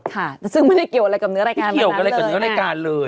ค่ะซึ่งไม่ได้เกี่ยวอะไรกับเนื้อรายการเกี่ยวกับอะไรกับเนื้อรายการเลย